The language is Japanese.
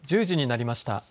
１０時になりました。